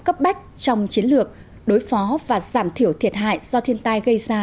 cấp bách trong chiến lược đối phó và giảm thiểu thiệt hại do thiên tai gây ra